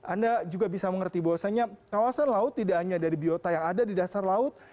anda juga bisa mengerti bahwasannya kawasan laut tidak hanya dari biota yang ada di dasar laut